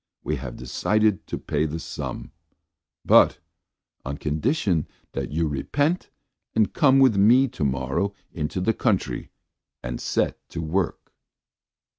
We have decided to pay the sum, but on condition that you repent and come with me tomorrow into the country and set to work."